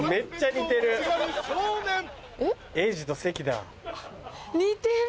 似てる。